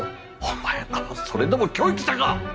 お前らはそれでも教育者か！